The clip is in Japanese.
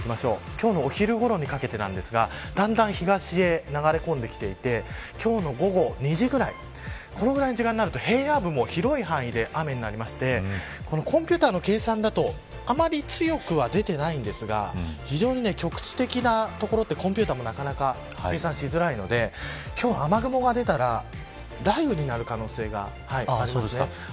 今日のお昼ごろにかけてですがだんだん東へ流れ込んできていて今日の午後２時ぐらいこのぐらいの時間になると平野部も広い範囲で雨になりましてコンピューターの計算だとあまり強くは出ていませんが非常に局地的な所ってコンピューターも計算しづらいので今日、雨雲が出たら雷雨になる可能性があります。